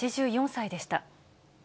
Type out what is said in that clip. ８４歳でした。